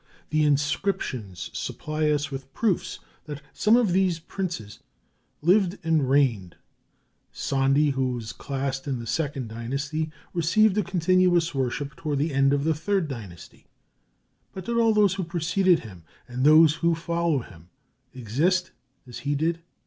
The inscriptions supply us with proofs that some of these princes lived and reigned: Sondi, who is classed in the II dynasty, received a continuous worship toward the end of the III dynasty. But did all those who preceded him, and those who followed him, exist as he did?